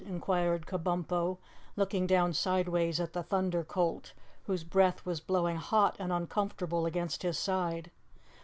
inquired Kabumpo, looking down sideways at the Thunder Colt, whose breath was blowing hot and uncomfortable against his side.